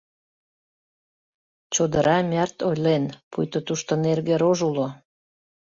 Чодыра-Мӓрт ойлен, пуйто тушто нерге рож уло.